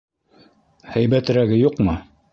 Һәйбәтерәге юҡмы?